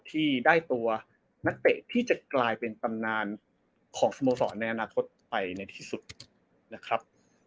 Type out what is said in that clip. ที่ได้ตัวนักเตะที่จะกลายเป็นตำนานของสโมสรในอนาคตไปในที่สุดนะครับ